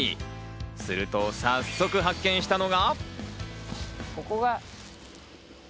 すると早速、発見したのが。